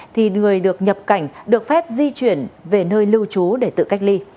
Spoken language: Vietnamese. thì người được nhập cảnh được phép di chuyển về nơi lưu trú để tự cách ly